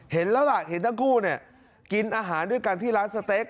เห็นแล้วล่ะเห็นทั้งคู่เนี่ยกินอาหารด้วยกันที่ร้านสเต็ก